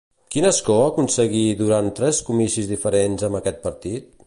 Quin escó aconseguí durant tres comicis diferents amb aquest partit?